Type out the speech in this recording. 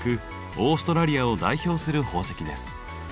オーストラリアを代表する宝石です。